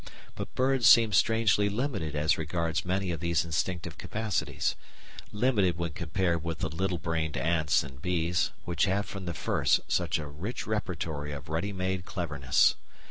But birds seem strangely limited as regards many of these instinctive capacities limited when compared with the "little brained" ants and bees, which have from the first such a rich repertory of ready made cleverness.